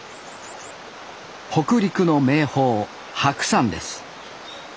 北陸の名峰白山です。